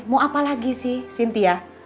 mau apa lagi sih cynthia